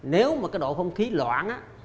nếu mà cái độ không khí loãng á